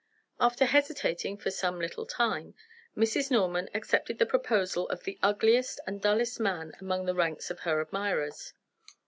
After hesitating for some little time, Mrs. Norman accepted the proposal of the ugliest and dullest man among the ranks of her admirers.